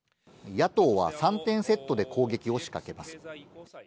野党は３点セットで攻撃を仕掛けます。